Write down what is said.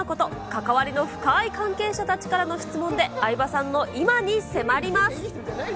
関わりの深い関係者たちからの質問で、相葉さんの今に迫ります。